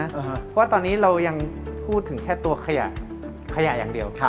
เพราะว่าตอนนี้เรายังพูดถึงแค่ตัวขยะขยะอย่างเดียว